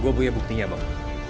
gue punya buktinya bang